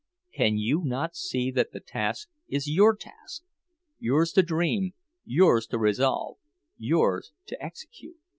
Can you not see that the task is your task—yours to dream, yours to resolve, yours to execute?